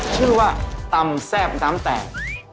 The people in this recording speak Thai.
ชื่อว่าตำแซ่บน้ำแตก